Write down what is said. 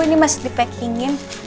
ini masih dipacking in